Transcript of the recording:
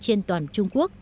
trên toàn trung quốc